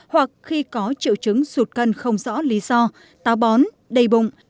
hoặc khi có triệu chứng sụt cân không rõ lý do tà bón đầy bụng